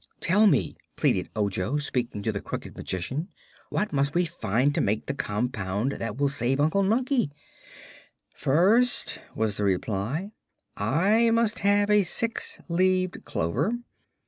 "Tell me," pleaded Ojo, speaking to the Crooked Magician, "what must we find to make the compound that will save Unc Nunkie?" "First," was the reply, "I must have a six leaved clover.